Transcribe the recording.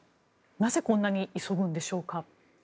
なぜこんなに急ぐのでしょうか。